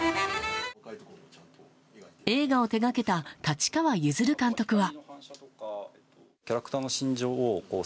映画を手掛けた立川譲監督は。